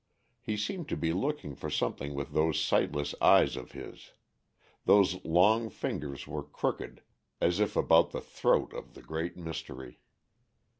He seemed to be looking for something with those sightless eyes of his; those long fingers were crooked as if about the throat of the great mystery.